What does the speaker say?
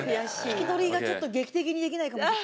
聞き取りがちょっと劇的にできないかもしれない。